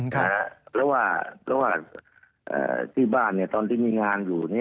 เพราะว่าที่บ้านตอนที่มีงานอยู่